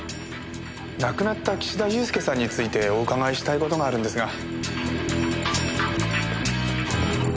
亡くなった岸田祐介さんについてお伺いしたい事があるんですが。